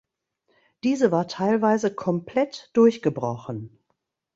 Diese war teilweise komplett durchgebrochen.